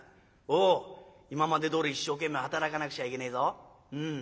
おお今までどおり一生懸命働かなくちゃいけねえぞ。